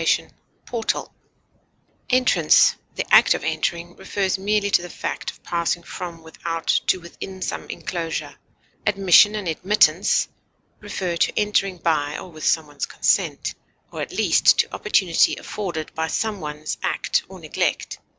admittance, entry, Entrance, the act of entering, refers merely to the fact of passing from without to within some enclosure; admission and admittance refer to entering by or with some one's consent, or at least to opportunity afforded by some one's act or neglect.